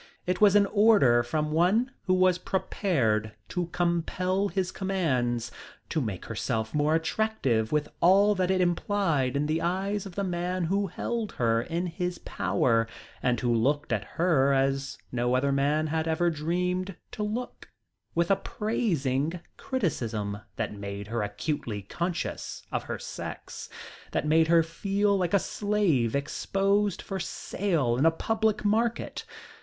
It was an order from one who was prepared to compel his commands, to make herself more attractive with all that it implied in the eyes of the man who held her in his power and who looked at her as no other man had ever dared to look, with appraising criticism that made her acutely conscious of her sex, that made her feel like a slave exposed for sale in a public market.